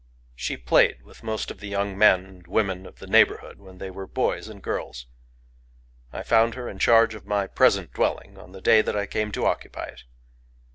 She played with most of the young men and women of the neighborhood when they were boys and girls. I found her in charge of my present dwelling on the day that I came to occupy it.